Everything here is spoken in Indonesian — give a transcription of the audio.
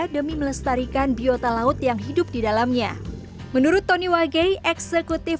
demi melestarikan biota laut yang hidup di dalamnya menurut tony wagei eksekutif